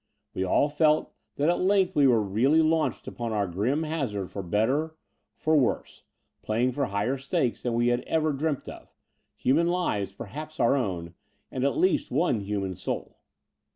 We all felt that at length we were really launched upon our grim hazard for better, for worse, playing for higher stakes than we had ever dreamt of — human lives, perhaps our own, and at least one human soul.